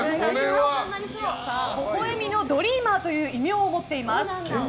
微笑みのドリーマーという異名を持っています。